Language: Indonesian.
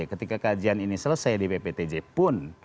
ketika kajian ini selesai di bptj pun